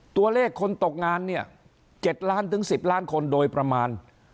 ตัวเลขคนตกงานเนี่ย๗ล้านถึง๑๐ล้านคนโดยประมาณ